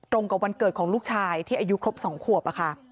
กับวันเกิดของลูกชายที่อายุครบ๒ขวบ